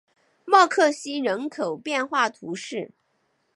默克西人口变化图示